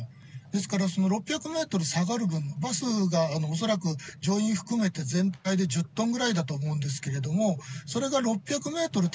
ですから、６００メートル下がる分、バスが恐らく、乗員含めて全体で１０トンぐらいだと思うんですけれども、それが６００メートル